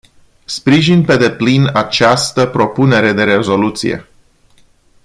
Sprijin pe deplin această propunere de rezoluție.